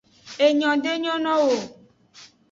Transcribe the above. Enyo de nyo no wo.